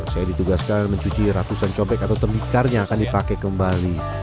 saya ditugaskan mencuci ratusan cobek atau tembikar yang akan dipakai kembali